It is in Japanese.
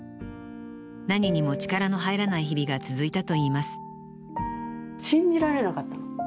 何にも力の入らない日々が続いたといいます信じられなかったの。